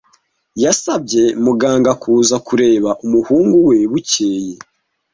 Yasabye muganga kuza kureba umuhungu we bukeye.